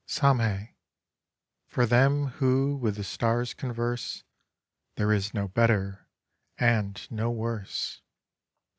SAMHÉ: 'For them who with the Stars converse There is no better and no worse.